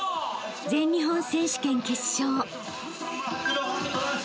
［全日本選手権決勝］